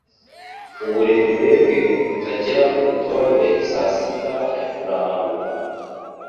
Uburebure bwe butagira urutonde saa sita yakurambura,